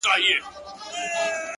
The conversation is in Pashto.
ستا له خندا نه الهامونه د غزل را اوري-